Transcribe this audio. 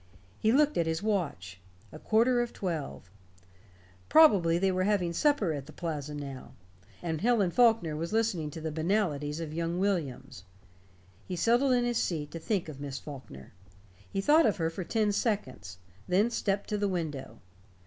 He looked at his watch. A quarter of twelve. Probably they were having supper at the Plaza now, and Helen Faulkner was listening to the banalities of young Williams. He settled in his seat to think of Miss Faulkner. He thought of her for ten seconds; then stepped to the window.